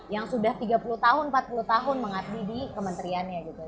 yang sudah tiga puluh tahun empat puluh tahun mengabdi di kementeriannya gitu